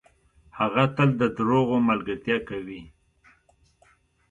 هغه تل ده دروغو ملګرتیا کوي .